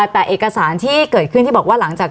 แต่เอกสารที่เกิดขึ้นที่บอกว่าหลังจาก